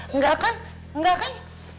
engga kan engga kan